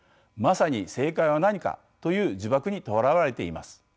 まさに正解は何かという呪縛にとらわれています。